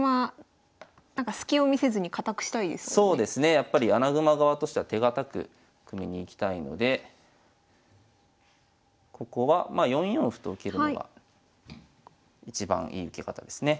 やっぱり穴熊側としては手堅く組みにいきたいのでここはまあ４四歩と受けるのがいちばんいい受け方ですね。